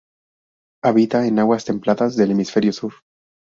Habita en aguas templadas del hemisferio sur.